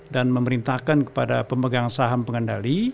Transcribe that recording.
dan memerintahkan kepada pemegang saham pengendali